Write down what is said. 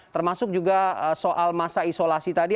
termasuk juga soal masa isolasi tadi